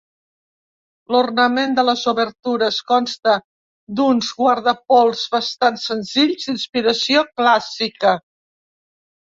L'ornament de les obertures consta d'uns guardapols bastant senzills d'inspiració clàssica.